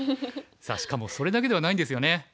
さあしかもそれだけではないんですよね。